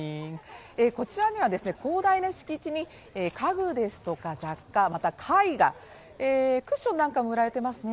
こちらには、広大な敷地に家具ですとか雑貨、また絵画、クッションなんかも売られてますね。